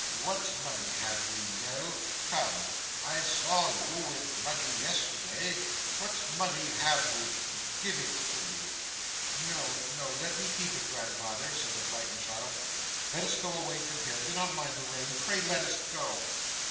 What money have we, Nell? Come! I saw you with money yesterday. What money have we? Give it to me.' 'No, no, let me keep it, grandfather,' said the frightened child. 'Let us go away from here. Do not mind the rain. Pray let us go.